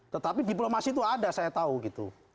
tetapi diplomasi itu ada saya tahu gitu